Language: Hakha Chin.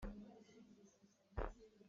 Kan tipaih a pit.